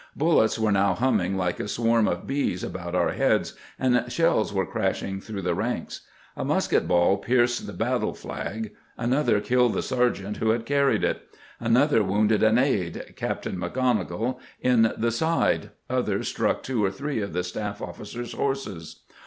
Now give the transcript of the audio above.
Bullets were now humming like a swarm of bees about our heads, and shells were crash ing through the ranks. A musket baU pierced the bat tle flag ; another killed the sergeant who had carried it ; another wounded an aide. Captain McGonnigle, in the side; others struck two or three of the staff officers' horses.